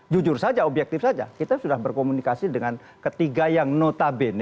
jujur saja objektif saja kita sudah berkomunikasi dengan ketiga yang notabene